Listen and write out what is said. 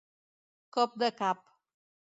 Cop de cap.